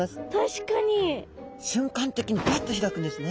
瞬間的にバッと開くんですね。